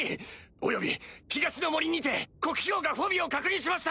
および東の森にて黒豹牙フォビオを確認しました！